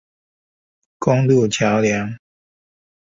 公路橋梁